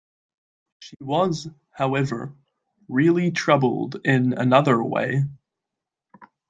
She was, however, really troubled in another way.